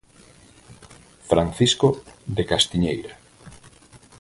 Francisco, de Castiñeira.